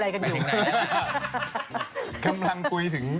เริ่มรังกุยถึง